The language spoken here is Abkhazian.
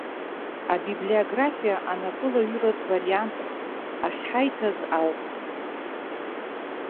Абиблиографиа анапылаҩыратә вариант ахьҳаиҭаз ауп.